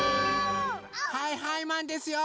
はいはいマンですよ！